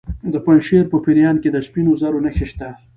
د پنجشیر په پریان کې د سپینو زرو نښې شته.